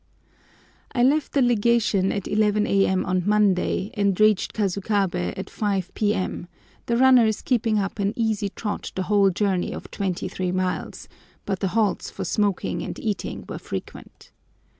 I left the Legation at 11 a.m. on Monday and reached Kasukabé at 5 p.m., the runners keeping up an easy trot the whole journey of twenty three miles; but the halts for smoking and eating were frequent.